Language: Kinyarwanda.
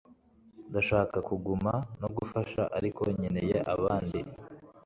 Ndashaka kuguma no gufasha ariko nkeneye ahandi